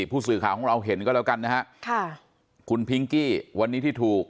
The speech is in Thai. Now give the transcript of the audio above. ผู้สื่อข่าวของเราเห็นก็แล้วกันนะฮะค่ะคุณพิงกี้วันนี้ที่ถูก